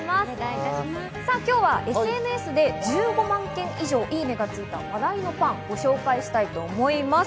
今日はＳＮＳで１５万件以上、「いいね」がついた話題のパンをご紹介します。